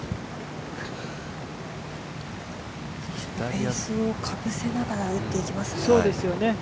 フェースをかぶせながら打っていきます。